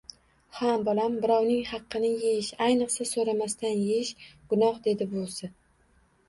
Ha bolam, birovning haqini yeyish, ayniqsa, so‘ramasdan yeyish gunoh, dedi buvisi